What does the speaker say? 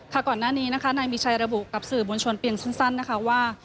ก่อนหน้านี้นะคะนายมีชัยระบุกับสื่อมวลชนเพียงสั้นนะคะว่า